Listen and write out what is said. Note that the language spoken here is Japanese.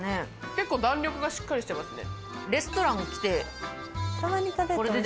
結構弾力がしっかりしてますね。